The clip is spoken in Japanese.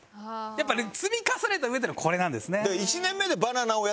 やっぱりね積み重ねた上でのこれなんですね。